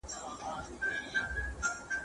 په میدان کي یې وو مړی غځېدلی `